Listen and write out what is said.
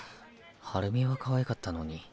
ハルミはかわいかったのに。